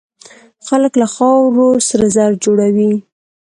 خلک له خاورو سره زر جوړوي.